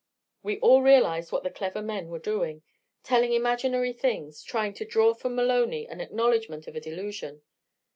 '" We all realized what the clever men were doing telling imaginary things, trying to draw from Maloney an acknowledgment of a delusion.